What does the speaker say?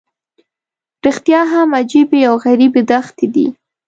رښتیا هم عجیبې او غریبې دښتې دي.